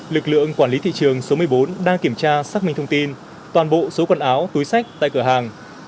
lực lượng quản lý thị trường số một mươi bốn đang kiểm tra xác minh thông tin toàn bộ số quần áo túi sách tại cửa hàng